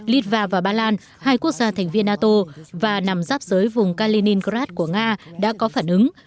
litva và ba lan hai quốc gia thành viên nato và nằm giáp giới vùng kaliningrad của nga đã có phản ứng